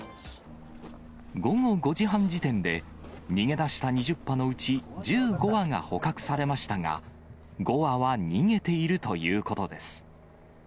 午後５時半時点で、逃げ出した２０羽のうち１５羽が捕獲されましたが、５羽は逃げているということです。